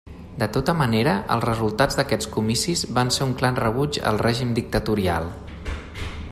De tota manera, els resultats d'aquests comicis van ser un clar rebuig al règim dictatorial.